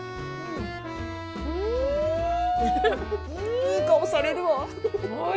いい顔されるわ。